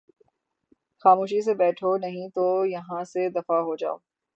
خاموشی سے بیٹھو نہیں تو یہاں سے دفعہ ہو جاؤ